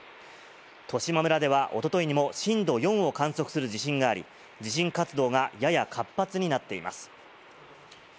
十島村ではおとといにも震度４を観測する地震があり、地震活動がやや活発になっています。